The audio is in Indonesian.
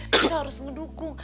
kita harus ngedukung